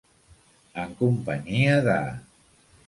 En companyia de.